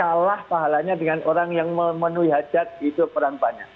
kalah pahalanya dengan orang yang menuyuk hajat itu perang banyak